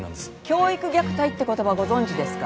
教育虐待って言葉ご存じですか？